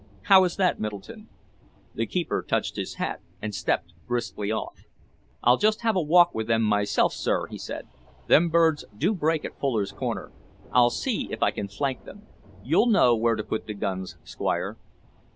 How is that, Middleton?" The keeper touched his hat and stepped briskly off. "I'll just have a walk with them myself, sir," he said. "Them birds do break at Fuller's corner. I'll see if I can flank them. You'll know where to put the guns, Squire."